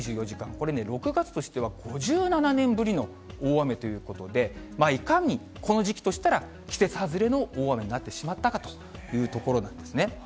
これね、６月としては５７年ぶりの大雨ということで、いかに、この時期としたら、季節外れの大雨になってしまったかというところなんですね。